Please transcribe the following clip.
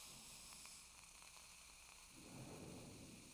Desde entonces, la unidad ha tenido una buena imagen pública.